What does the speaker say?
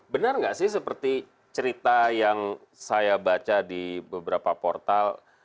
benar nggak sih seperti cerita yang saya baca di beberapa portal